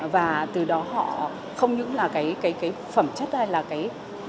và từ đó họ không những là cái phẩm chất hay là cái